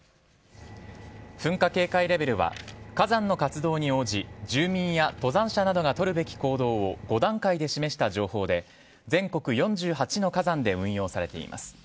噴火警戒レベルは火山の活動に応じ、住民や登山者などが取るべき行動を５段階で示した情報で全国４８の火山で運用されています。